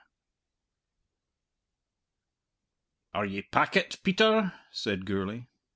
"Are ye packit, Peter?" said Gourlay.